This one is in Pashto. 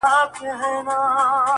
جادوگري جادوگر دي اموخته کړم.